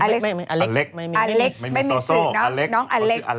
อเล็กซ์ไม่มีสื่อน้องอเล็กซ์